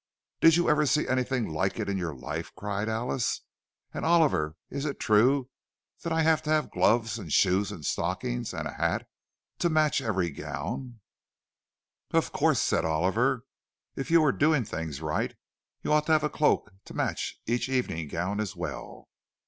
"Did you ever see anything like it in your life?" cried Alice. "And Oliver, is it true that I have to have gloves and shoes and stockings—and a hat—to match every gown?" "Of course." said Oliver. "If you were doing things right, you ought to have a cloak to match each evening gown as well."